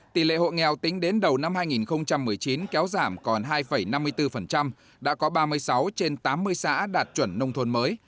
tỷ lệ hộ nghèo tính đến đầu năm hai nghìn một mươi chín kéo giảm còn hai năm mươi bốn đã có ba mươi sáu trên tám mươi xã đạt chuẩn nông thôn mới